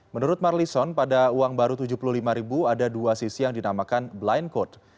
menurut marlison pada uang baru rp tujuh puluh lima ada dua sisi yang dinamakan blind code